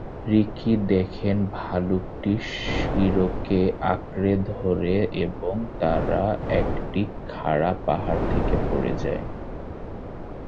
Ricky দেখেন ভালুকটি শিরোকে আঁকড়ে ধরে এবং তারা একটি খাড়া পাহাড় থেকে পড়ে যায়।